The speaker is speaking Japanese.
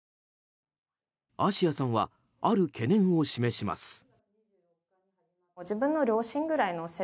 あしやさんはある懸念を示します。